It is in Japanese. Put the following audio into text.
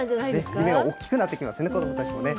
夢が大きくなってきますよね、子どもたちもね。